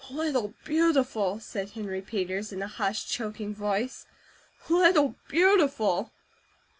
"Little Beautiful!" said Henry Peters in a hushed, choking voice, "Little Beautiful!"